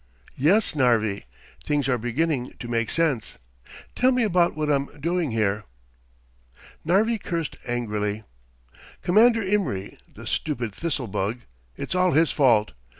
"Yes, Narvi. Things are beginning to make sense. Tell me about what I'm doing here." Narvi cursed angrily. "Commander Imry, the stupid thistlebug! It's all his fault!